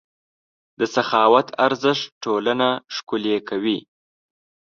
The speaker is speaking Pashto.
د سخاوت ارزښت ټولنه ښکلې کوي.